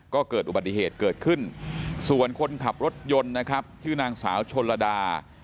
ก็เกิดอุบัติเหตุเกิดขึ้นส่วนคนขับรถยนต์นะครับชื่อนางสาวชนลดา